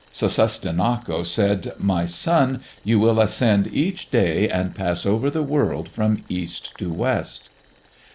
Sussistinnako said, "My son, you will ascend each day and pass over the world from east to west."